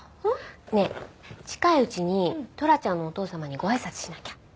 ねえ近いうちにトラちゃんのお父様にごあいさつしなきゃ。